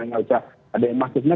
nggak usah ada yang masuknya